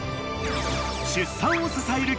［出産を支える］